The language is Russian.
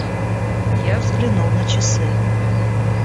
Я взглянул на часы.